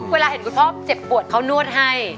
เวลาเห็นคุณพ่อเจ็บปวดเขานวดให้